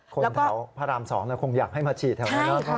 คนแถวพระราม๒คงอยากให้มาฉีดแถวนั้น